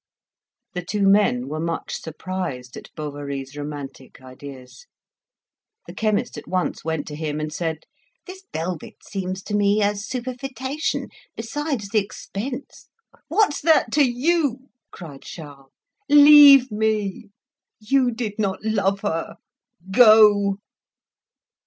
The two men were much surprised at Bovary's romantic ideas. The chemist at once went to him and said "This velvet seems to me a superfetation. Besides, the expense " "What's that to you?" cried Charles. "Leave me! You did not love her. Go!"